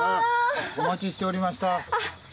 お待ちしておりました。